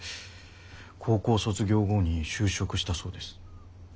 高校卒業後に就職したそうです。